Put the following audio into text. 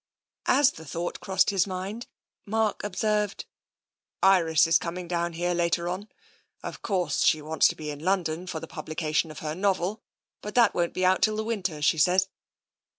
As the thought crossed his mind, Mark observed: " Iris is coming down here later on. Of course, she wants to be in London for the publication of her novel, but that won't be out till the winter, she says.